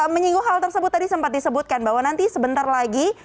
menyinggung hal tersebut tadi sempat disebutkan bahwa nanti sebentar lagi